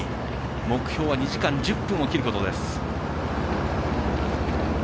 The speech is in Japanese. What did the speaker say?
目標は２時間１０分を切ることです。